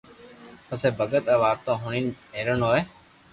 پسي ڀگت آ واتون ھوڻين حيرون ھوئي